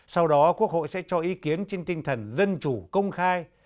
sau đó quốc hội sẽ cho ý kiến trên tinh thần dân chủ công khai